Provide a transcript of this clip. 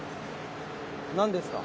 何ですか？